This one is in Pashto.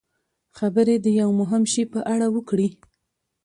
خبرې د یوه مهم شي په اړه وکړي.